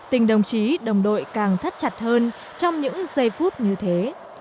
tình đồng chí đồng đội càng thắt chặt hơn trong những giây phút như thế